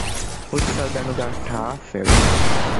ފުޓްސަލްދަނޑުގައި ޓަރފް އެޅުން